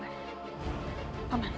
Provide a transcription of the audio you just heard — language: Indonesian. dia bukan orang sembarangan